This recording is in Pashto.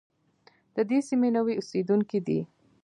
د دې سیمې نوي اوسېدونکي دي.